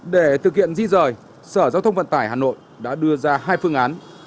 để thực hiện di rời sở giao thông vận tải hà nội đã đưa ra hai phương án